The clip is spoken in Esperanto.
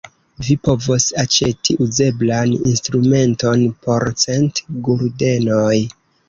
Vi povos aĉeti uzeblan instrumenton por cent guldenoj.